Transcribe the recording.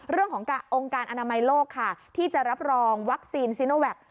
เรื่องของการองค์การอนามัยโลกค่ะที่จะรับรองวัคซีนซีโนแวค